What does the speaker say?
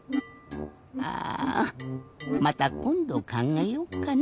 あまたこんどかんがえよっかな。